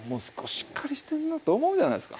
しっかりしてんなと思うじゃないですか。